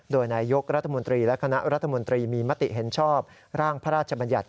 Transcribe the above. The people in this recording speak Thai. โดยนายยกรัฐมนตรีและคณะรัฐมนตรีมีมติเห็นชอบร่างพระราชบัญญัติ